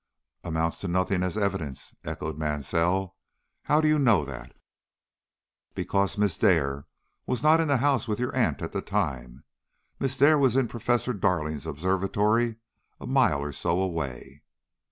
"Amounts to nothing as evidence?" echoed Mansell. "How do you know that?" "Because Miss Dare was not in the house with your aunt at that time. Miss Dare was in Professor Darling's observatory, a mile or so away."